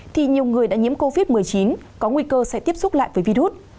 thì nhiều người đã nhiễm covid một mươi chín có nguy cơ sẽ tiếp xúc lại với virus